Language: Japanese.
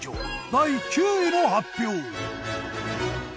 第９位の発表。